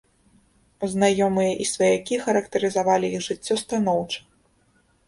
Знаёмыя і сваякі характарызавалі іх жыццё станоўча.